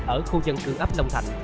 ở khu dân cường ấp long thành